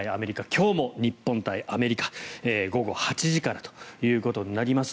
今日も日本対アメリカ午後８時からということになります。